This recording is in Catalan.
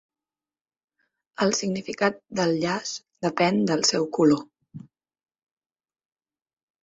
El significat del llaç depèn del seu color.